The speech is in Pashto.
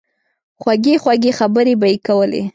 خوږې خوږې خبرې به ئې کولې